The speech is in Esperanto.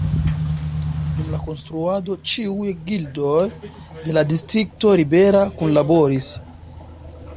Dum la konstruado ĉiuj gildoj de la distrikto Ribera kunlaboris.